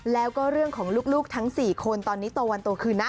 แล้วก็เรื่องของลูกทั้ง๔คนตอนนี้โตวันโตคืนนะ